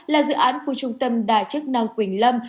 là dự án khu trung tâm đa chức năng quỳnh lâm